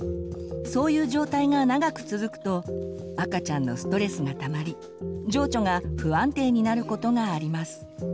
そういう状態が長く続くと赤ちゃんのストレスがたまり情緒が不安定になることがあります。